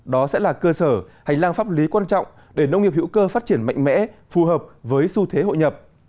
đó sẽ là cơ sở hành lang pháp lý quan trọng để nông nghiệp hữu cơ phát triển mạnh mẽ phù hợp với xu thế hội nhập